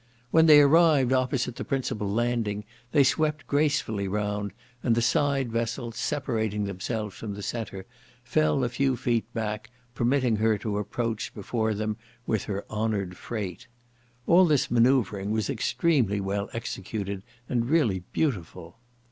When they arrived opposite the principal landing they swept gracefully round, and the side vessels, separating themselves from the centre, fell a few feet back, permitting her to approach before them with her honoured freight. All this manoeuvring was extremely well executed, and really beautiful.